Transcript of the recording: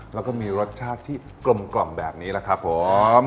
แล้วก็มีรสชาติที่กลมแบบนี้แหละครับผม